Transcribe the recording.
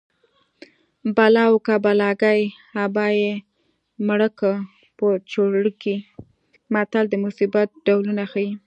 بلا وه که بلاګۍ ابا یې مړکه په چوړکۍ متل د مصیبت ډولونه ښيي